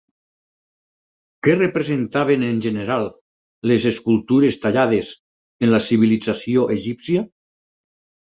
Què representaven en general les escultures tallades en la civilització egípcia?